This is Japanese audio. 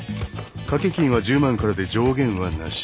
賭け金は１０万からで上限はなし。